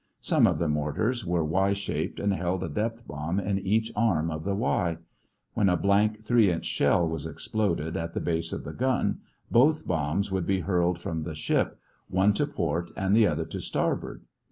Some of the mortars were Y shaped and held a depth bomb in each arm of the Y. When a blank 3 inch shell was exploded at the base of the gun, both bombs would be hurled from the ship, one to port and the other to starboard.